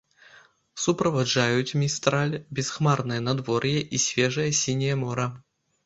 Суправаджаюць містраль бясхмарнае надвор'е і свежае сіняе мора.